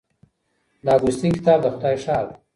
د اګوستین کتاب د خدای ښار دی.